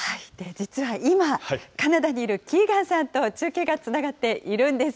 実は今、カナダにいるキーガンさんと中継がつながっているんです。